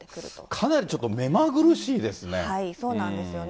かなりちょっと目まぐるしいですね。